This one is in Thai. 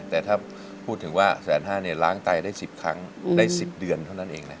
แต่ถ้าพูดถึงว่า๑๕๐๐ล้างไตได้๑๐ครั้งได้๑๐เดือนเท่านั้นเองนะ